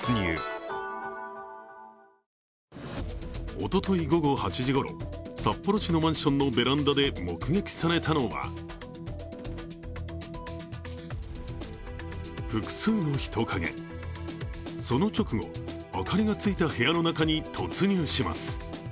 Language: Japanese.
おととい午後８時ごろ、札幌市のマンションのベランダで目撃されたのは複数の人影、その直後、明かりがついた部屋の中に突入します。